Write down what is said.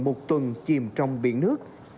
một tuần chìm trong biển nước